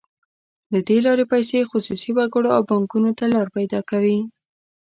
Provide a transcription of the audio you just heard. له دې لارې پیسې خصوصي وګړو او بانکونو ته لار پیدا کوي.